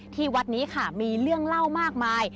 ที่วัดนี้ค่ะมีเรื่องเล่ามากมาย